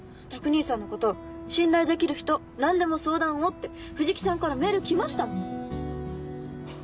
拓兄さんのこと「信頼できる人何でも相談を」って藤木さんからメール来ましたもん。